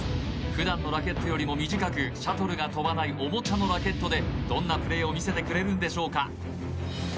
普通のラケットよりも短くシャトルが飛ばないおもちゃのラケットでどんなプレーを見せてくれるんでしょうか？